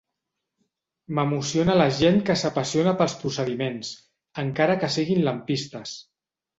M'emociona la gent que s'apassiona pels procediments, encara que siguin lampistes.